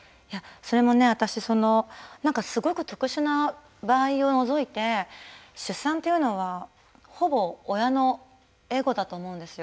それも私なんかすごく特殊な場合を除いて出産というのはほぼ親のエゴだと思うんですよ。